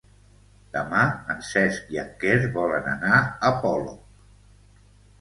Demà en Cesc i en Quer volen anar a Polop.